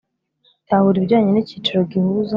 Tahura ibijyanye n’ikiciro gihuza